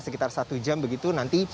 sekitar satu jam begitu